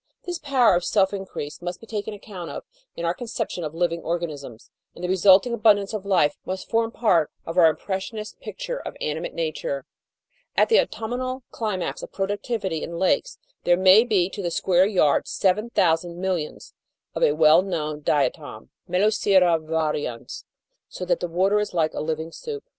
This power of self increase must be taken account of in our conception of living organisms, and the resulting abundance of life must form part of our impres sionist picture of Animate Nature. At the autumnal climax of productivity in lakes, there may be to the square yard 7,000 millions of a well known Diatom, Melosira varians, so that the water is like a living soup.